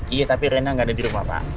iya tapi rena nggak ada di rumah pak